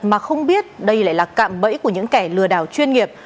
mà không biết đây lại là cạm bẫy của những kẻ lừa đảo chuyên nghiệp